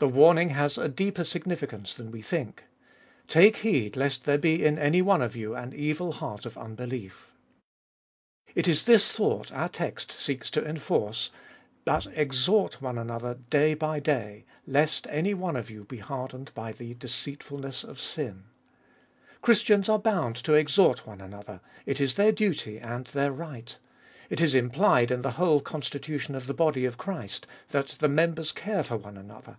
The warning has a deeper significance than we think :" Take heed lest there be in any one of you an evil heart of unbelief." It is this thought our text seeks to enforce : But exhort one another day by day, lest any one of you be hardened by the deceitfulness of sin. Christians are bound to exhort one another ; it is their duty and their right. It is implied in the whole con stitution of the body of Christ, that the members care for one another.